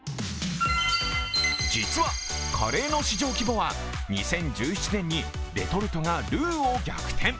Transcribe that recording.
実は、カレーの市場規模は２０１７年にレトルトがルーを逆転。